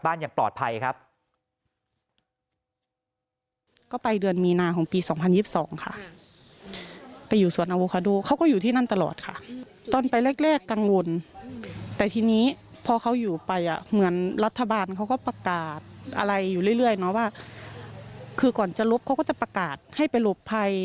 อย่างปลอดภัยครับ